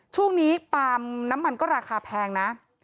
ช่วงนี้ปาล์มน้ำมันก็ราคาแพงนะ